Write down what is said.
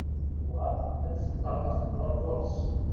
Tebɣa ad teṭṭerḍeq ɣer ɣur-s.